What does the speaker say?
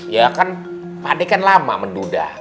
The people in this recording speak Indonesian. ya kan pak d kan lama mendudah